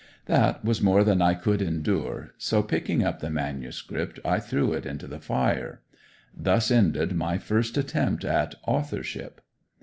That was more than I could endure, so picking up the manuscript I threw it into the fire. Thus ended my first attempt at Authorship.